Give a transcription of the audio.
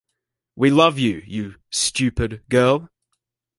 We love you, you "stupid" girl!